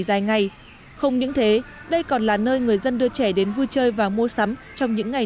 dài ngày không những thế đây còn là nơi người dân đưa trẻ đến vui chơi và mua sắm trong những ngày